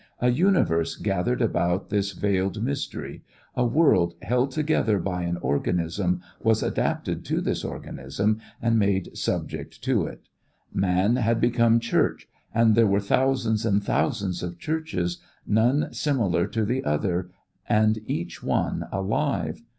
A universe gathered about this veiled mystery a world held together by an organism was adapted to this organism and made subject to it. Man had become church and there were thousands and thousands of churches, none similar to the other and each one alive.